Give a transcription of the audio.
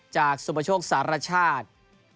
จากสุมโปรโชคสรรชาติ